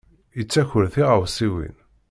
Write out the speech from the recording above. Tettaker tiɣawsiwin.